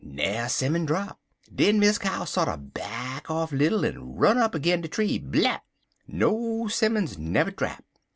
Na'er 'simmon drap. Den Miss Cow sorter back off little, en run agin de tree blip! No 'simmons never drap.